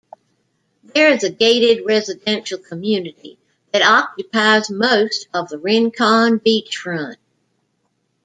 There is a gated residential community that occupies most of the Rincon beachfront.